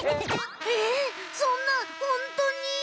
えっそんなホントに？